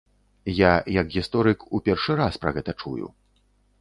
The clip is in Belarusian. Я, як гісторык, у першы раз пра гэта чую.